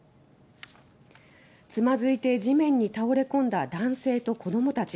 つまづいて地面に倒れこんだ男性と子供たち